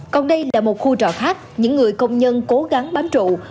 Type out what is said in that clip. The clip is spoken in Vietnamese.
còn đây là một khu trọ khác những người công nhân cố gắng bám trụ